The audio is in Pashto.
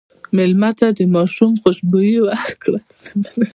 مېلمه ته د ماشوم خوشبويي ورکړه.